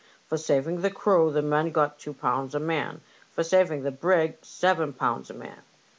For saving the crew the men got two pounds a man, for saving the brig seven pounds a man."